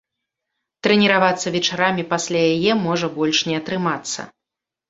Трэніравацца вечарамі пасля яе можа больш не атрымацца.